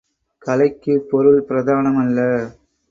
கலைக்குப் பொருள் பிரதானமல்ல.